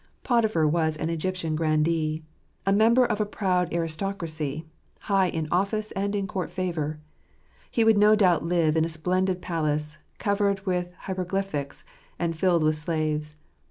Potiphar was an Egyptian grandee ; a member of a proud aristocracy ; high in office and in court favour. He would no doubt live in a splendid palace, covered with hiero glyphs and filled with slaves.